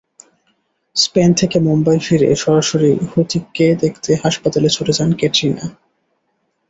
Spain থেকে মুম্বাই ফিরে সরাসরি হূতিককে দেখতে হাসপাতালে ছুটে যান ক্যাটরিনা।